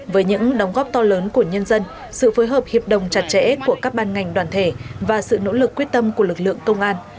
với những đóng góp to lớn của nhân dân sự phối hợp hiệp đồng chặt chẽ của các ban ngành đoàn thể và sự nỗ lực quyết tâm của lực lượng công an